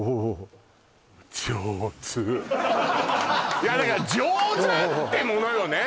いやだから上手ってものよね